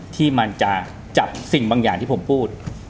ที่มันจะจับสิ่งบางอย่างที่ผมพูด